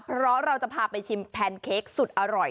เพราะเราจะพาไปชิมแพนเค้กสุดอร่อย